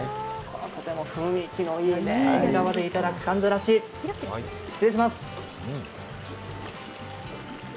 とても雰囲気のいい縁側でいただくかんざらし、失礼します！